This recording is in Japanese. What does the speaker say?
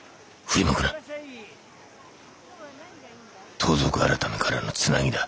盗賊改からのつなぎだ。